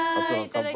乾杯。